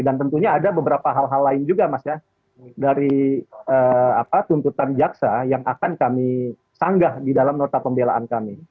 dan tentunya ada beberapa hal hal lain juga mas ya dari tuntutan jaksa yang akan kami sanggah di dalam nota pembelaan kami